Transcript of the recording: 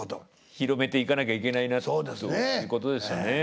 広めていかなきゃいけないなっていうことですよね。